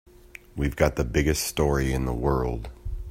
We've got the biggest story in the world.